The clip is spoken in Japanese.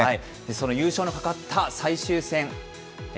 その優勝のかかった最終戦。